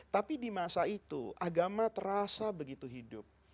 tapi di masa itu agama terasa begitu hidup